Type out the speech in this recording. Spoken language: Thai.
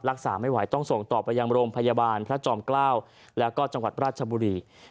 รักษาไม่ไหวต้องส่งต่อไปยังโรงพยาบาลพระจอมเกล้าแล้วก็จังหวัดราชบุรี